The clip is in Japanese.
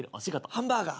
ハンバーガー。